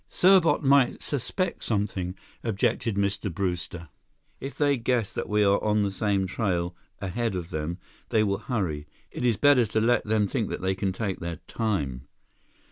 "Serbot might suspect something," objected Mr. Brewster. "If they guess that we are on the same trail ahead of them, they will hurry. It is better to let them think that they can take their time."